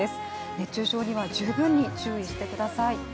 熱中症には十分に注意してください。